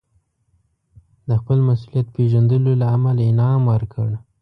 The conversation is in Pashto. د خپل مسوولیت پېژندلو له امله انعام ورکړ.